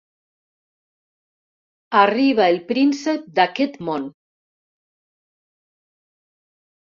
Arriba el príncep d'aquest món.